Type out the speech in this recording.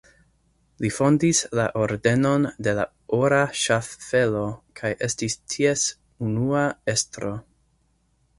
Li fondis la Ordenon de la Ora Ŝaffelo kaj estis ties unua estro.